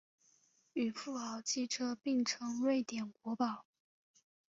与富豪汽车并称瑞典国宝。